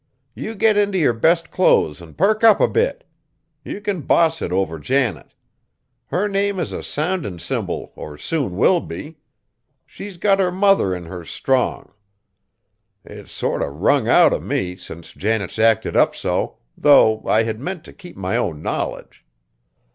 You get int' your best clothes and perk up a bit; you can boss it over Janet. Her name is a soundin' cymbal or soon will be! She's got her mother in her strong. It's sort o' wrung out of me, since Janet's acted up so, though I had meant t' keep my own knowledge."